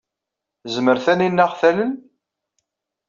Tezmer Taninna ad aɣ-talel?